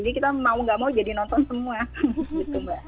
jadi kita mau nggak mau jadi nonton semua gitu mbak